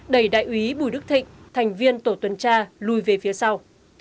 đẩy đại úy bùi đức thịnh thành viên tổ tuần tra lui về phía sau